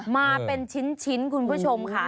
มาเป็นชิ้นคุณผู้ชมค่ะ